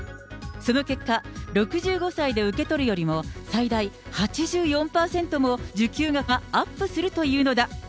その結果、６５歳で受け取るよりも最大８４％も受給額がアップするというのだ。